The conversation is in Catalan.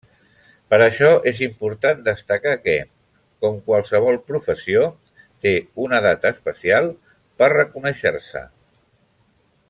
Per això és important destacar que, com qualsevol professió, té una data especial per reconèixer-se.